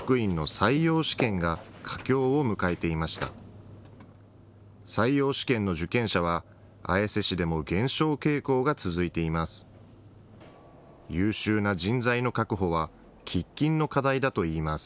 採用試験の受験者は、綾瀬市でも減少傾向が続いています。